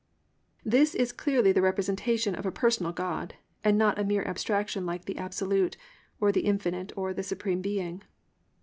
"+ This is clearly the representation of a personal God and not a mere abstraction like "The Absolute," or "The Infinite," or "The Supreme Being."